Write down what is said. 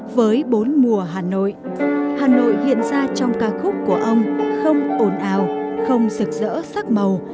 với bốn mùa hà nội hà nội hiện ra trong ca khúc của ông không ồn ào không rực rỡ sắc màu